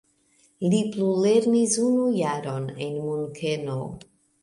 Li plulernis unu jaron en Munkeno.